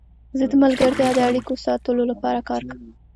زه د ملګرتیا د اړیکو ساتلو لپاره کار کوم.